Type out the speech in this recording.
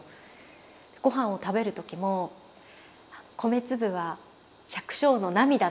ご飯を食べる時も米粒は百姓の涙だと。